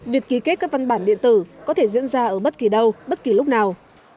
việc ký kết các văn bản điện tử có thể diễn ra ở bất kỳ đâu bất kỳ lúc nào